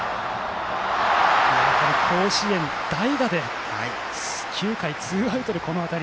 甲子園で、代打で９回ツーアウトでこの当たり。